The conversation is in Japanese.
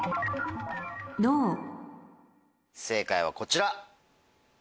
正解はこちら。